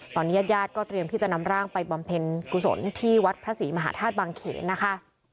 ตอนนี้ญาติญาติก็เตรียมที่จะนำร่างไปบำเพ็ญกุศลที่วัดพระศรีมหาธาตุบางเขนนะคะ